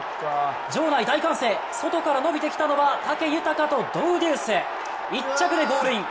場内大歓声、外から伸びてきたのは武豊とドウデュース、１着でゴールイン。